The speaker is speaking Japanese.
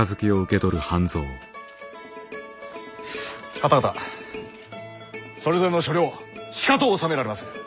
方々それぞれの所領しかと治められませ！